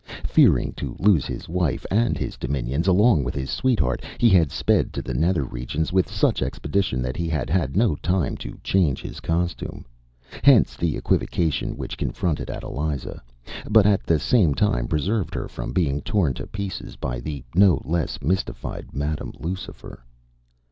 Fearing to lose his wife and his dominions along with his sweetheart, he had sped to the nether regions with such expedition that he had had no time to change his costume. Hence the equivocation which confounded Adeliza, but at the same time preserved her from being torn to pieces by the no less mystified Madam Lucifer.